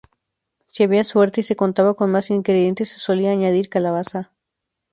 Si había suerte y se contaba con más ingredientes se solía añadir calabaza.